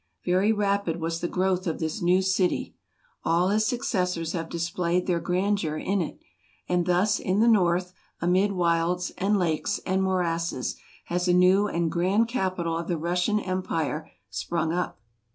Very rapid was the growth of this new city: all his successors have displayed their grandeur in it: and thus in the north, amid wilds, and lakes, and morasses, has a new and grand capital of the Russian empire sprung up.